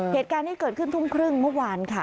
เหตุการณ์นี้เกิดขึ้นทุ่มครึ่งเมื่อวานค่ะ